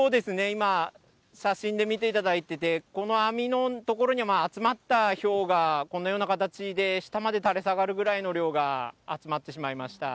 今、写真で見ていただいてて、この網のところに集まったひょうが、このような形で、下まで垂れ下がるぐらいの量が集まってしまいました。